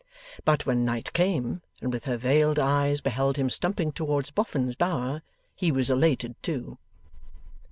But, when night came, and with her veiled eyes beheld him stumping towards Boffin's Bower, he was elated too.